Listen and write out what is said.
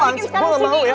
balikin sekarang sini